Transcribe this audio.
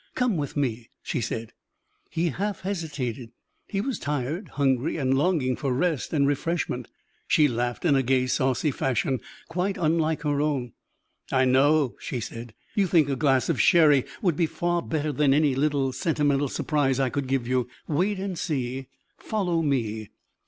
"Come with me," she said. He half hesitated. He was tired, hungry, and longing for rest and refreshment. She laughed in a gay, saucy fashion, quite unlike her own. "I know," she said, "you think a glass of sherry would be far better than any little sentimental surprise I could give you. Wait and see; follow me."